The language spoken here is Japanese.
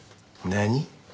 何？